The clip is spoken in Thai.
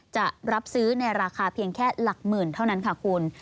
จะรับซื้อในราคาเพียงแค่หลักหมื่นเท่านั้นค่ะคุณ